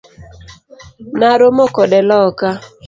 Naromo kode loka.